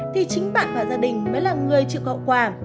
thì chính bạn và gia đình mới là người chịu hậu quả